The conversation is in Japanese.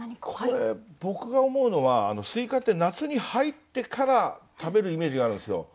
これ僕が思うのは西瓜って夏に入ってから食べるイメージがあるんですよ。